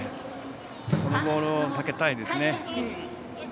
そのボールは避けたいですね。